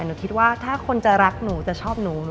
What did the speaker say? หนูคิดว่าถ้าคนจะรักหนูจะชอบหนู